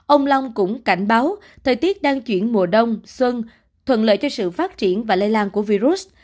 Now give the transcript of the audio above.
ông long cũng cảnh báo thời tiết đang chuyển mùa đông xuân thuận lợi cho sự phát triển và lây lan của virus